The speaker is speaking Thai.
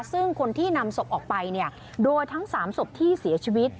ซึ่งคนที่นำศพออกไปเนี่ยโดยทั้ง๓ศพที่เสียชีวิต